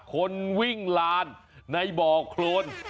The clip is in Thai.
คนวิ่งลาณในบ่คล้น